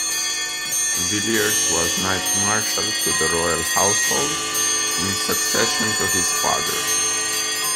Villiers was Knight Marshal to the royal household in succession to his father.